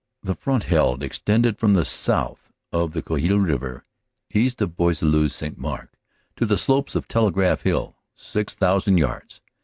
The front held extended from south of the Cojeul river, east of Boisleux St. Marc, to the slopes of Telegraph Hill, 6,000 yards.